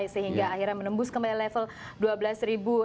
sehingga akhirnya menembus kembali level dua belas ribu